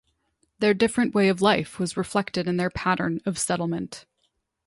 Their different way of life was reflected in their pattern of settlement.